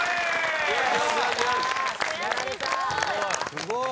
・すごい。